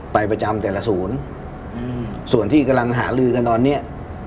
ประจำแต่ละศูนย์ส่วนที่กำลังหาลือกันตอนเนี้ย